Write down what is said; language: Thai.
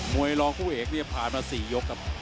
วยรองผู้เอกเนี่ยผ่านมา๔ยกครับ